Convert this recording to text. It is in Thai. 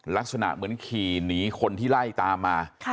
ลักษณะเหมือนขี่หนีคนที่ไล่ตามมา